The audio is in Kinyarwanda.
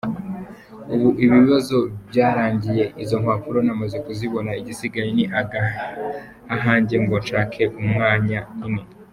ubu ibibazo byarangiye izo mpapuro namaze kuzibona igisigaye ni ahange ngo nshake umwanya nkine.